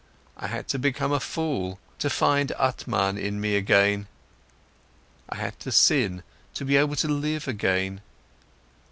I had to become a fool, to find Atman in me again. I had to sin, to be able to live again.